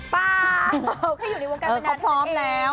ป๊าเขาอยู่ในวงการมานาน